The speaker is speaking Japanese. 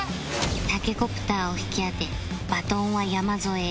タケコプターを引き当てバトンは山添へ